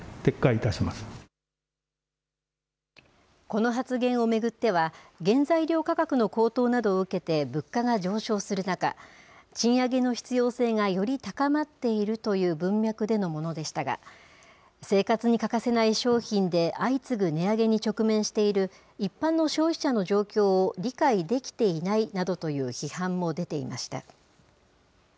この発言を巡っては、原材料価格の高騰などを受けて物価が上昇する中、賃上げの必要性がより高まっているという文脈でのものでしたが、生活に欠かせない商品で相次ぐ値上げに直面している、一般の消費者の状況を理解できていないなどという批判も出ていました。